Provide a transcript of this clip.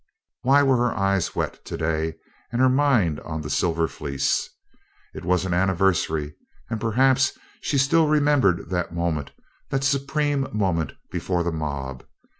Why were her eyes wet today and her mind on the Silver Fleece? It was an anniversary, and perhaps she still remembered that moment, that supreme moment before the mob.